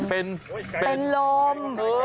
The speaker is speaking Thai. เป็นลม